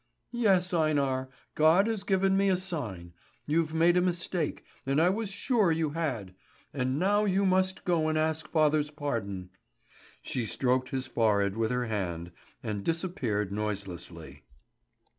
"Yes, Einar, God has given me a sign. You've made a mistake, and I was sure you had. And now you must go and ask father's pardon." She stroked his forehead with her hand, and disappeared noiselessly.